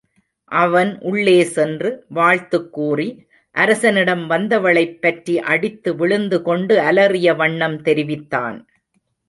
அவன் உள்ளே சென்று வாழ்த்துக் கூறி அரசனிடம் வந்தவளைப்பற்றி அடித்து விழுந்து கொண்டு அலறிய வண்ணம் தெரிவித்தான்.